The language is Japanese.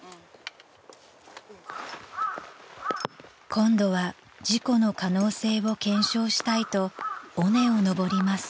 ［今度は事故の可能性を検証したいと尾根を登ります］